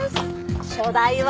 初代は。